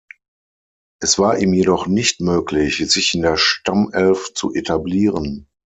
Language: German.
Es war ihm jedoch nicht möglich, sich in der Stammelf zu etablieren.